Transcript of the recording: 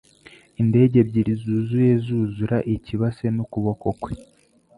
Indege ebyiri zuzuye zuzura ikibase n'ukuboko kwe